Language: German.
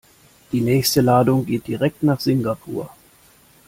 Die nächste Ladung geht direkt nach Singapur.